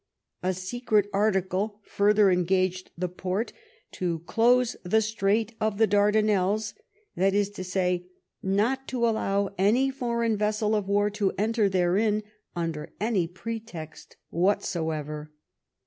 A secret article further engaged the Porte *' to close the strait of the Dardanelles, that is to say, not to allow any foreign vessels of war to enter therein | under, any pretext whatsoever.